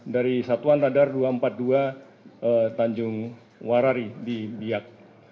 dari satuan radar dua ratus empat puluh dua tanjung warari di biak